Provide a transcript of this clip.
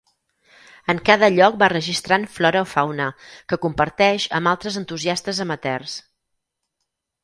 En cada lloc va registrant flora o fauna, que comparteix amb altres entusiastes amateurs.